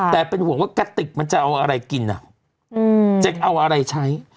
แต่เป็นห่วงว่ากะติกมันจะเอาอะไรกินจะเอาอะไรใช้